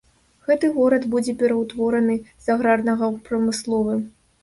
Гэты горад будзе пераўтвораны з аграрнага ў прамысловы.